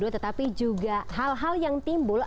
tetapi juga hal hal yang timbul